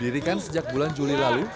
didirikan sejak bulan juli lalu